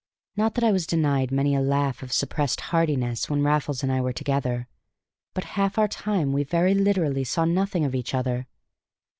Not that I was denied many a laugh of suppressed heartiness when Raffles and I were together. But half our time we very literally saw nothing of each other.